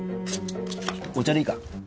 お茶でいいか？